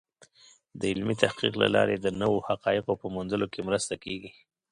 د علمي تحقیق له لارې د نوو حقایقو په موندلو کې مرسته کېږي.